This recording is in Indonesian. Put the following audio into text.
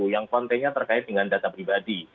yang kontennya terkait dengan data pribadi